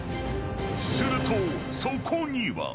［するとそこには］